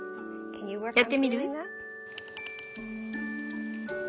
やってみる？